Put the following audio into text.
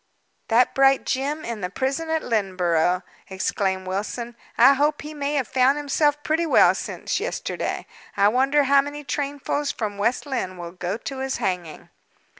"That bright gem in the prison at Lynneborough," exclaimed Wilson. "I hope he may have found himself pretty well since yesterday! I wonder how many trainfuls from West Lynne will go to his hanging?"